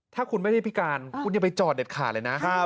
ถ้าคุณไม่ได้พิการคุณอย่าไปจอดเด็ดขาดเลยนะ